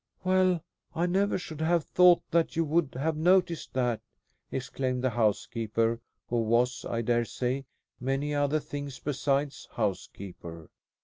"Well, I never should have thought that you would have noticed that!" exclaimed the housekeeper, who was, I dare say, many other things besides housekeeper.